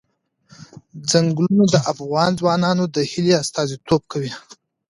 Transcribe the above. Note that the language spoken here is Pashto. ځنګلونه د افغان ځوانانو د هیلو استازیتوب کوي.